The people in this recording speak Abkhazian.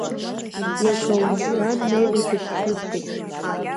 Иагаумҳәан Нели дыԥҳәысуп.